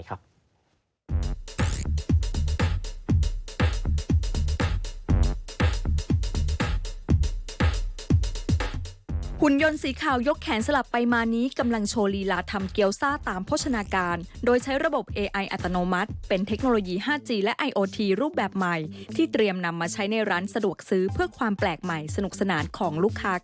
เช่นเดียวกับคาราอาเกกคุ้ง